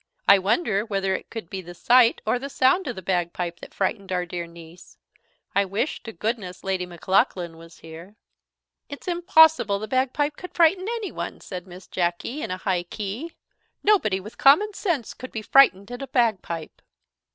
"I wonder whether it could be the sight or the sound of the bagpipe that frightened our dear niece. I wish to goodness Lady Maclaughlan was here!" "It's impossible the bagpipe could frighten anybody," said Miss Jacky, in a high key; "nobody with common sense could be frightened at a bagpipe."